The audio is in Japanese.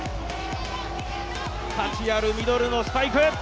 価値あるミドルのスパイク。